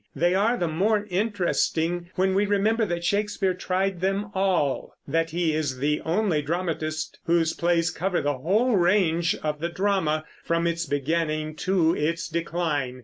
They are the more interesting when we remember that Shakespeare tried them all; that he is the only dramatist whose plays cover the whole range of the drama from its beginning to its decline.